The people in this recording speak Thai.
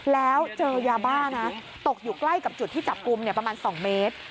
แล้วเจอยาบ้านะตกอยู่ใกล้กับจุดที่จับกลุ่มประมาณ๒เมตร